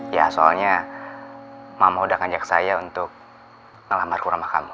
ya soalnya mama udah ngajak saya untuk ngelamar kurama kamu